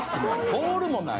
ボールもない？